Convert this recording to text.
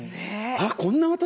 あっこんな私も？